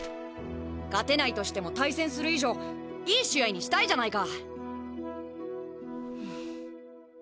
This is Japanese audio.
勝てないとしても対戦する以上いい試合にしたいじゃないか！